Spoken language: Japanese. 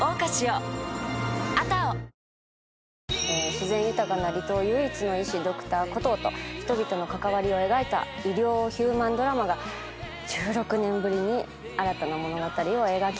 自然豊かな離島唯一の医師Ｄｒ．コトーと人々の関わりを描いた医療ヒューマンドラマが１６年ぶりに新たな物語を描きます。